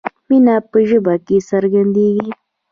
مینه په ژبه کې څرګندیږي.